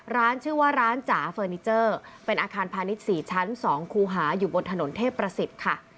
ร้านชื่อว่าร้านจ๋าเฟอร์นิเจอร์เป็นอาคารพาณิชย์๔ชั้น๒คูหาอยู่บนถนนเทพประสิทธิ์ค่ะ